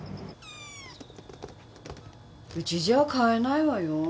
うちじゃ飼えないわよ。